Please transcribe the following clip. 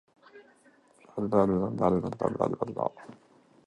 The area is known for extremely heavy snowfall in winter.